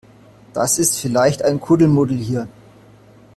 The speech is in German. Das ist vielleicht ein Kuddelmuddel hier.